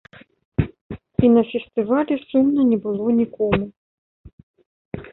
І на фестывалі сумна не было нікому.